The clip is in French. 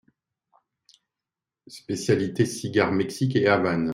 Spécialité cigares Mexique et Havane.